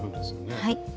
はい。